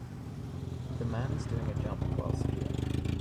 The man is doing a jump while skiing.